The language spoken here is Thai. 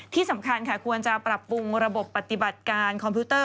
ที่สำคัญค่ะควรจะปรับปรุงระบบปฏิบัติการคอมพิวเตอร์